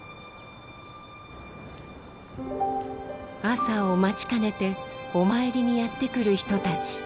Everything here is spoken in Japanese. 朝を待ちかねてお参りにやってくる人たち。